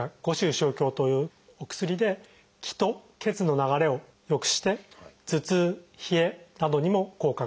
生姜湯というお薬で「気」と「血」の流れをよくして頭痛冷えなどにも効果が出ております。